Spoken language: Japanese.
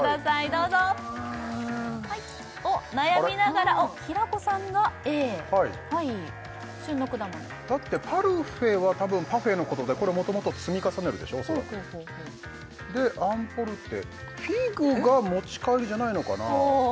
どうぞおっ悩みながら平子さんがＡ旬の果物だってパルフェは多分パフェのことでこれもともと積み重ねるでしょ恐らくでアンポルテフィグが持ち帰りじゃないのかな？